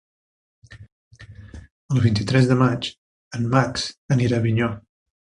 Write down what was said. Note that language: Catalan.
El vint-i-tres de maig en Max anirà a Avinyó.